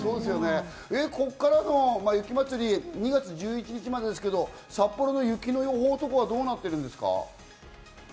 ここからの雪まつり、２月１１日までですけど、札幌の雪の予報とかはどうなってるんですか？